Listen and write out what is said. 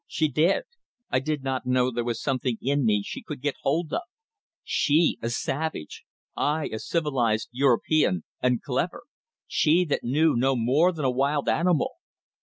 She did. I did not know there was something in me she could get hold of. She, a savage. I, a civilized European, and clever! She that knew no more than a wild animal!